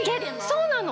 そうなの！